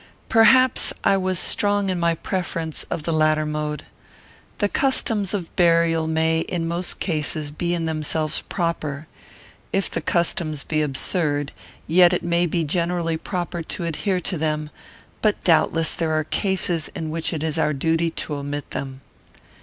Perhaps I was strong in my preference of the latter mode. The customs of burial may, in most cases, be in themselves proper. If the customs be absurd, yet it may be generally proper to adhere to them; but doubtless there are cases in which it is our duty to omit them.